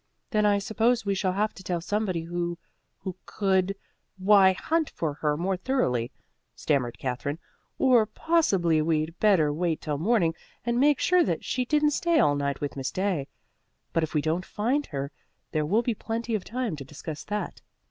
"Then I suppose we shall have to tell somebody who who could why, hunt for her more thoroughly," stammered Katherine. "Or possibly we'd better wait till morning and make sure that she didn't stay all night with Miss Day. But if we don't find her, there will be plenty of time to discuss that."